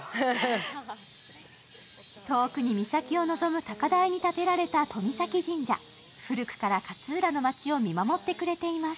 遠くに岬を臨む高台に建てられた遠見岬神社古くから勝浦の街を見守ってくれています。